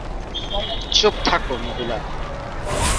চুপ থাক, মহিলা।